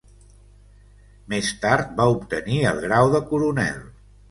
Més tard va obtenir el grau de coronel.